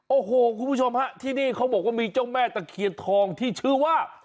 โอ้โหคุณผู้ชมฮะที่นี่เขาบอกว่ามีเจ้าแม่ตะเคียนทองที่ชื่อว่า